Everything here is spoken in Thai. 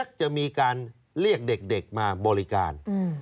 จะมีการเรียกเด็กมาบริการ